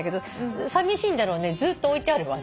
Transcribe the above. さみしいんだろうねずっと置いてあるわ。